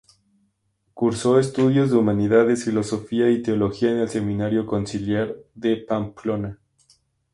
Cursó estudios de Humanidades, Filosofía y Teología en el Seminario Conciliar de Pamplona.